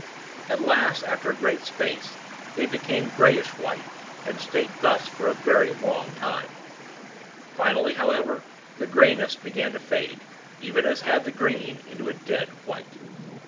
At last, after a great space, they became greyish white, and stayed thus for a very long time. Finally, however, the greyness began to fade, even as had the green, into a dead white.